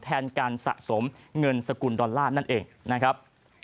แทนการสะสมเงินสกุลดอลลาร์นั่นเองนะครับ